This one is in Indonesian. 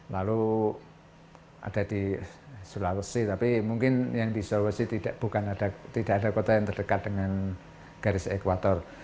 lalu ada di sulawesi tapi mungkin yang di sulawesi tidak ada kota yang terdekat dengan garis ekwator